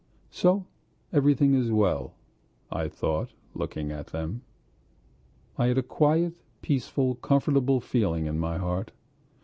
"So everything is well," I thought, looking at them. I had a quiet, peaceful, comfortable feeling in my heart.